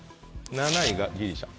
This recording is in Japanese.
７位がギリシャ。